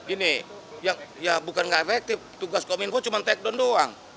ini ya bukan gak efektif tugas kominfo cuma takdon doang